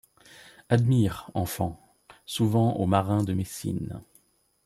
Admire, enfant ! souvent aux marins de Messine